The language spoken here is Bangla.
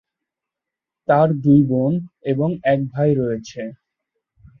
তার দুই বোন এবং এক ভাই রয়েছে।